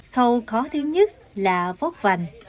khâu khó thứ nhất là vót vành